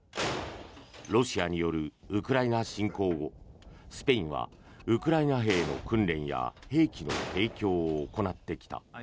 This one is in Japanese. ロシアによるウクライナ侵攻後スペインはウクライナ兵の訓練や兵器の提供を行ってきた。